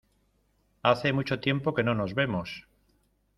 Hace mucho tiempo que no nos vemos.